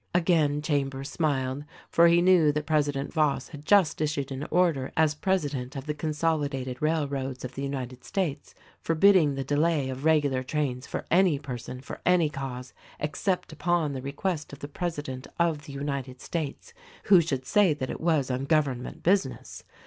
Again Chambers smiled, for he knew that President Voss had just issued an order as president of the consoli dated railroads of the United States forbidding the delay of regular trains for any person for any cause except upon request of the President of the United States, who should say that it was on government business.